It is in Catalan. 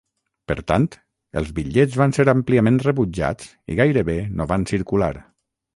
Per tant, els bitllets van ser àmpliament rebutjats i gairebé no van circular.